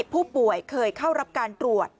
ผู้ป่วยเคยเข้ารับการตรวจ